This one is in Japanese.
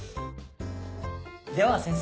では先生